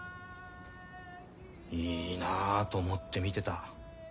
いいなあと思って見てた。